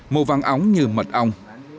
màu vắng óng như mật ong